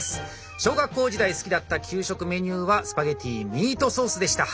小学校時代好きだった給食メニューはスパゲッティミートソースでした。